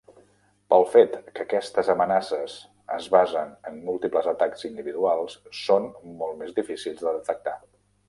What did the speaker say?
Pel fet que aquestes amenaces es basen en múltiples atacs individuals, són molt més difícils de detectar.